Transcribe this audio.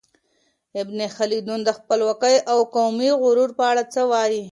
ابن خلدون د خپلوۍ او قومي غرور په اړه څه وايي؟